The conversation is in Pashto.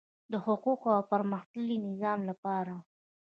د حقوقي او پرمختللي نظام لپاره وو.